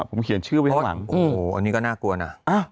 โอ้โหอันนี้ก็น่ากลัวน่ะ